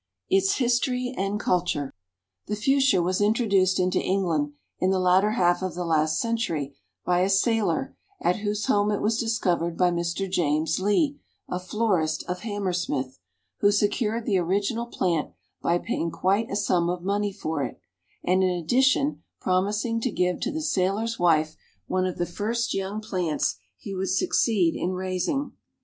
ITS HISTORY AND CULTURE. The Fuchsia was introduced into England in the latter half of the last century by a sailor, at whose home it was discovered by Mr. James Lee, a florist of Hammersmith, who secured the original plant by paying quite a sum of money for it, and in addition promising to give to the sailor's wife one of the first young plants he would succeed in raising.